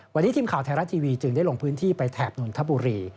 วันนี้ทีมข่าวไทยรัฐทีวีจึงได้ลงพื้นที่ไปแถบนนนทบุรี